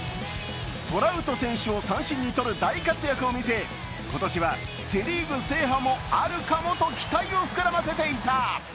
トラウト選手を三振に取る大活躍を受け今年はセ・リーグ制覇もあるかもと期待を膨らませていた。